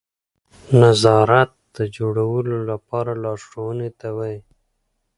نظارت د جوړولو لپاره لارښوونې ته وایي.